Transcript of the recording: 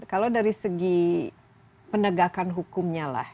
kalau dari segi penegakan hukumnya lah